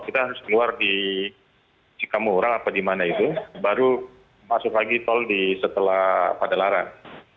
kita harus keluar di cikamuura apa di mana itu baru masuk lagi tol di setelah pada larang